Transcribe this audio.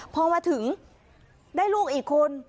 พอมาถึงได้ลูกอีกคน